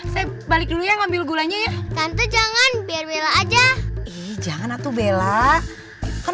saya balik dulu ya ngambil gulanya ya tante jangan biar bella aja jangan atuh bella kan